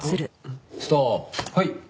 はい。